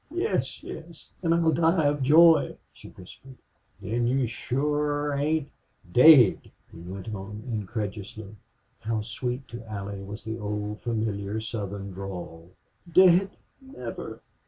"Oh, Larry yes yes and I'll die of joy!" she whispered. "Then you shore ain't daid?" he went on, incredulously. How sweet to Allie was the old familiar Southern drawl! "Dead? Never....